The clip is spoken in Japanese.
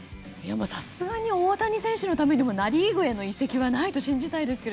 さすがに大谷選手のためにもナ・リーグへの移籍はないと信じたいですが。